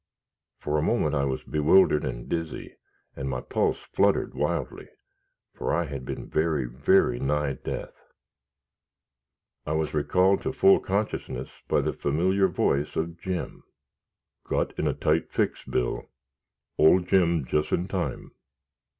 For a moment I was bewildered and dizzy, and my pulse fluttered wildly, for I had been very, very nigh death. I was recalled to full consciousness by the familiar voice of Jim. "Got in a tight fix, Bill. Ole Jim jus' in time."